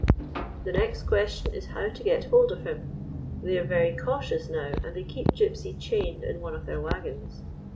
" The next question is how to get hold of him. They are very cautious now, and they keep Gypsy chained in one of their wagons.